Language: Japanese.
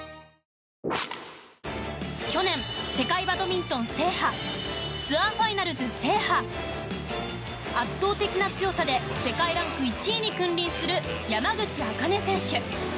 去年、世界バドミントン制覇ツアー・ファイナルズ制覇圧倒的な強さで世界ランク１位に君臨する山口茜選手。